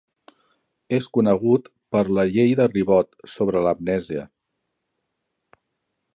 És conegut per la Llei de Ribot sobre l'amnèsia.